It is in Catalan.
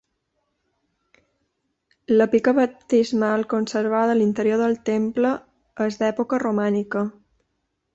La pica baptismal conservada a l'interior del temple, és d'època romànica.